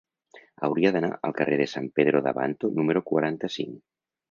Hauria d'anar al carrer de San Pedro de Abanto número quaranta-cinc.